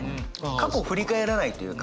過去を振り返らないというか。